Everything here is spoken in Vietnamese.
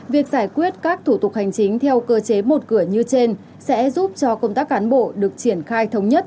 việc giải quyết các thủ tục hành chính theo cơ chế một cửa như trên sẽ giúp cho công tác cán bộ được triển khai thống nhất